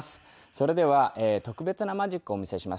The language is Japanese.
それでは特別なマジックをお見せします。